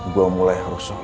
gua mau mulai harus sholat